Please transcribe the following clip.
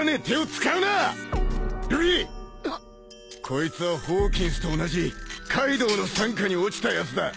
こいつはホーキンスと同じカイドウの傘下に堕ちたやつだ。